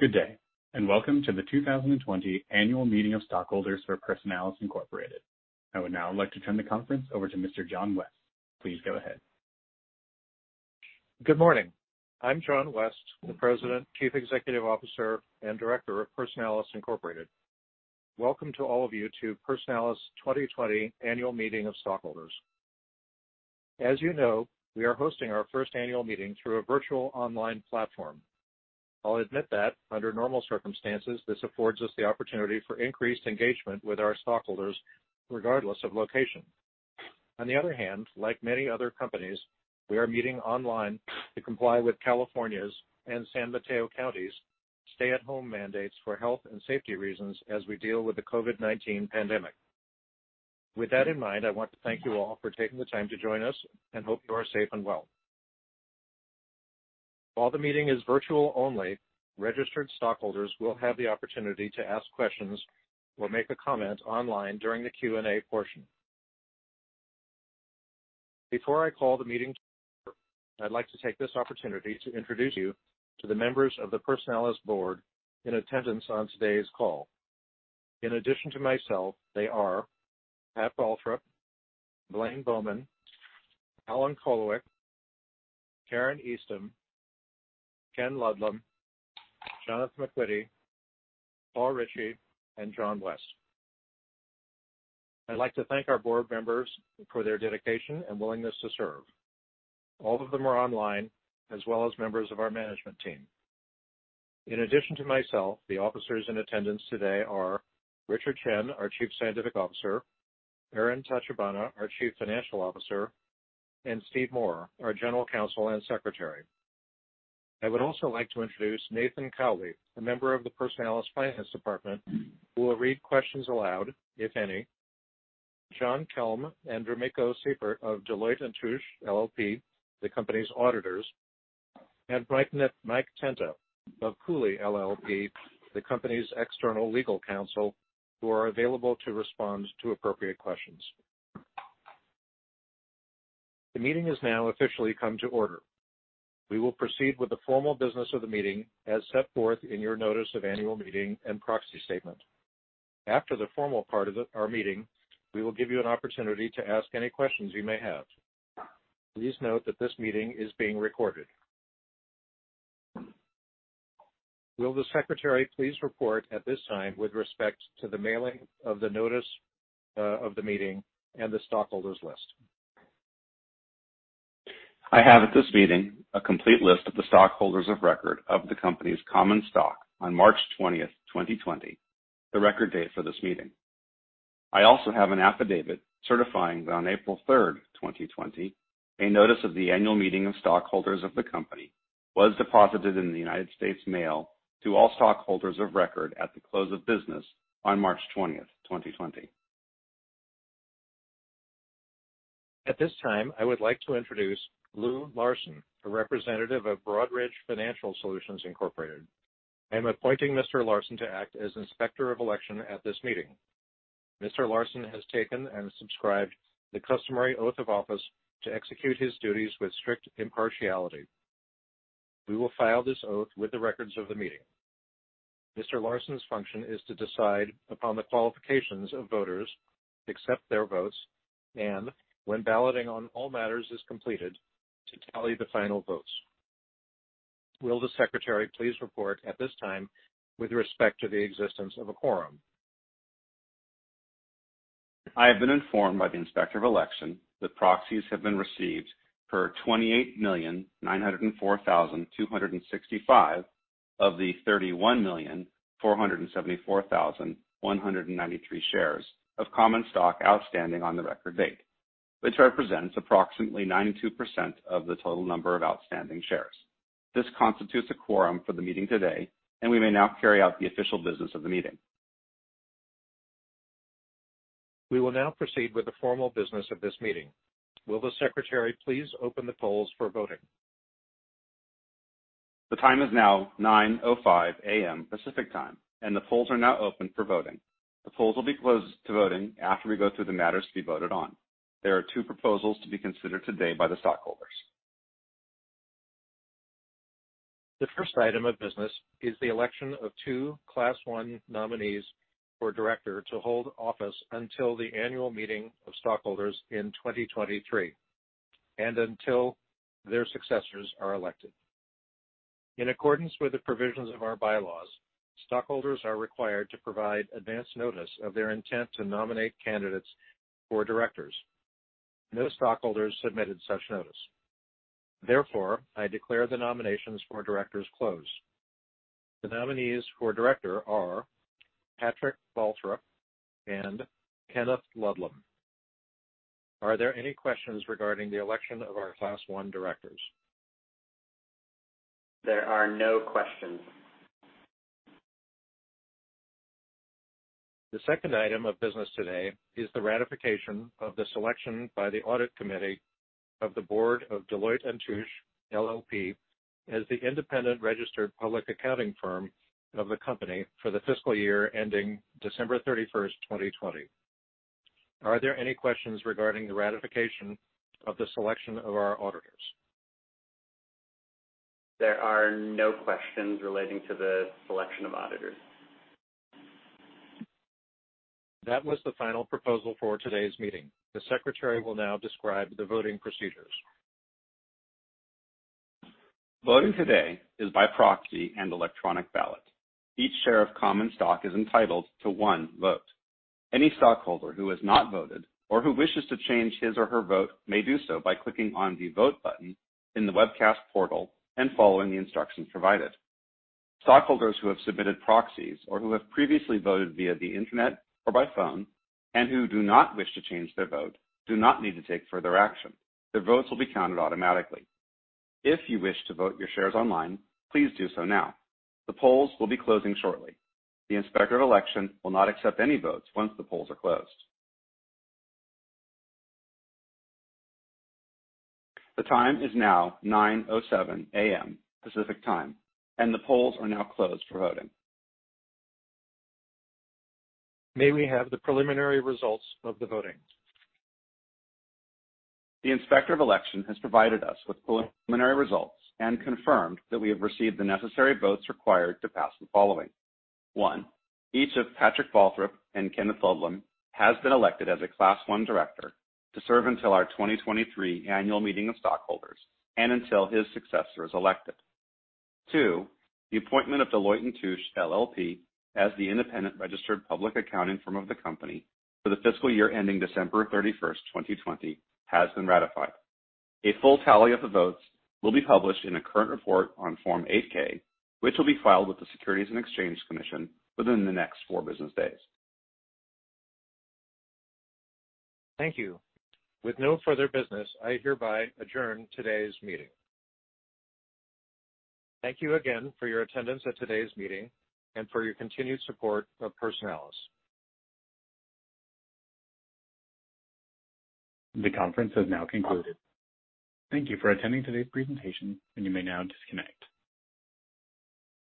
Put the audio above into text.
Over to Mr. John West. Please go ahead. Good morning. I'm John West, the President, Chief Executive Officer, and Director of Personalis Incorporated. Welcome to all of you to Personalis' 2020 Annual Meeting of Stockholders. As you know, we are hosting our first annual meeting through a virtual online platform. I'll admit that, under normal circumstances, this affords us the opportunity for increased engagement with our stockholders, regardless of location. On the other hand, like many other companies, we are meeting online to comply with California's and San Mateo County's stay-at-home mandates for health and safety reasons as we deal with the COVID-19 pandemic. With that in mind, I want to thank you all for taking the time to join us and hope you are safe and well. While the meeting is virtual only, registered stockholders will have the opportunity to ask questions or make a comment online during the Q&A portion. Before I call the meeting to order, I'd like to take this opportunity to introduce you to the members of the Personalis Board in attendance on today's call. In addition to myself, they are Patrick Baltrop, Blaine Bowman, Alan Kolwicz, Karen Eastham, Kenneth Ludlum, Jonathan McNeill, Paul Ricci, and John West. I'd like to thank our board members for their dedication and willingness to serve. All of them are online, as well as members of our management team. In addition to myself, the officers in attendance today are Richard Chen, our Chief Scientific Officer; Aaron Tachibana, our Chief Financial Officer; and Steve Moore, our General Counsel and Secretary. I would also like to introduce Nathan Cowley, a member of the Personalis Finance Department, who will read questions aloud, if any, John Kelm and Remi Seipert of Deloitte & Touche LLP, the company's auditors, and Mike Tenta of Cooley LLP, the company's external legal counsel, who are available to respond to appropriate questions. The meeting has now officially come to order. We will proceed with the formal business of the meeting as set forth in your Notice of Annual Meeting and Proxy Statement. After the formal part of our meeting, we will give you an opportunity to ask any questions you may have. Please note that this meeting is being recorded. Will the Secretary please report at this time with respect to the mailing of the Notice of the Meeting and the Stockholders List? I have at this meeting a complete list of the stockholders of record of the company's common stock on March 20, 2020, the record date for this meeting. I also have an affidavit certifying that on April 3, 2020, a Notice of the Annual Meeting of Stockholders of the Company was deposited in the United States mail to all stockholders of record at the close of business on March 20, 2020. At this time, I would like to introduce Lou Larsen, a representative of Broadridge Financial Solutions. I am appointing Mr. Larson to act as Inspector of Election at this meeting. Mr. Larson has taken and subscribed the customary oath of office to execute his duties with strict impartiality. We will file this oath with the records of the meeting. Mr. Larson's function is to decide upon the qualifications of voters, accept their votes, and, when balloting on all matters is completed, to tally the final votes. Will the Secretary please report at this time with respect to the existence of a quorum? I have been informed by the Inspector of Election that proxies have been received for 28,904,265 of the 31,474,193 shares of common stock outstanding on the record date, which represents approximately 92% of the total number of outstanding shares. This constitutes a quorum for the meeting today, and we may now carry out the official business of the meeting. We will now proceed with the formal business of this meeting. Will the Secretary please open the polls for voting? The time is now 9:05 A.M. Pacific Time, and the polls are now open for voting. The polls will be closed to voting after we go through the matters to be voted on. There are two proposals to be considered today by the stockholders. The first item of business is the election of two Class I nominees for Director to hold office until the Annual Meeting of Stockholders in 2023 and until their successors are elected. In accordance with the provisions of our bylaws, stockholders are required to provide advance notice of their intent to nominate candidates for Directors. No stockholders submitted such notice. Therefore, I declare the nominations for Directors closed. The nominees for Director are Patrick Baltrop and Kenneth Ludlum. Are there any questions regarding the election of our Class I Directors? There are no questions. The second item of business today is the ratification of the selection by the Audit Committee of the Board of Deloitte & Touche LLP, as the independent registered public accounting firm of the company for the fiscal year ending December 31, 2020. Are there any questions regarding the ratification of the selection of our auditors? There are no questions relating to the selection of auditors. That was the final proposal for today's meeting. The Secretary will now describe the voting procedures. Voting today is by proxy and electronic ballot. Each share of common stock is entitled to one vote. Any stockholder who has not voted or who wishes to change his or her vote may do so by clicking on the Vote button in the webcast portal and following the instructions provided. Stockholders who have submitted proxies or who have previously voted via the internet or by phone and who do not wish to change their vote do not need to take further action. Their votes will be counted automatically. If you wish to vote your shares online, please do so now. The polls will be closing shortly. The Inspector of Election will not accept any votes once the polls are closed. The time is now 9:07 A.M. Pacific Time, and the polls are now closed for voting. May we have the preliminary results of the voting? The Inspector of Election has provided us with preliminary results and confirmed that we have received the necessary votes required to pass the following: One, each of Patrick Baltrop and Kenneth Ludlum has been elected as a Class I Director to serve until our 2023 Annual Meeting of Stockholders and until his successor is elected. Two, the appointment of Deloitte & Touche LLP as the independent registered public accounting firm of the company for the fiscal year ending December 31, 2020, has been ratified. A full tally of the votes will be published in a current report on Form 8-K, which will be filed with the Securities and Exchange Commission within the next four business days. Thank you. With no further business, I hereby adjourn today's meeting. Thank you again for your attendance at today's meeting and for your continued support of Personalis. The conference has now concluded. Thank you for attending today's presentation, and you may now disconnect.